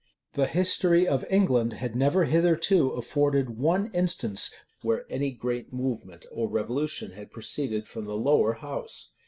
The history of England had never hitherto afforded one instance where any great movement or revolution had proceeded from the lower house.